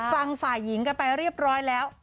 ฝ่ายหญิงกันไปเรียบร้อยแล้ว